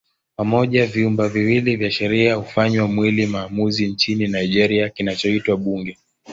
Pamoja vyumba viwili vya sheria hufanya mwili maamuzi nchini Nigeria kinachoitwa Bunge.